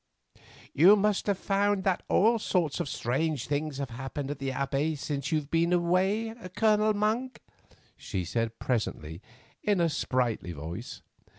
"You must have found that all sorts of strange things have happened at the Abbey since you have been away, Colonel Monk," she said presently in a sprightly voice.